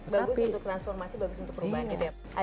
bagus untuk transformasi bagus untuk perubahan